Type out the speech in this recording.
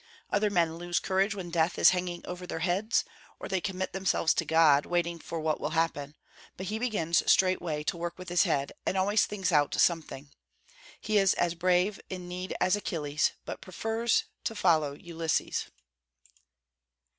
Other men lose courage when death is hanging over their heads, or they commit themselves to God, waiting for what will happen; but he begins straightway to work with his head, and always thinks out something. He is as brave in need as Achilles, but he prefers to follow Ulysses."